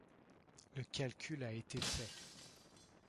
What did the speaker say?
Le calcul a été fait.